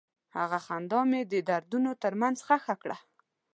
هغه خندا مې د دردونو تر منځ ښخ کړه.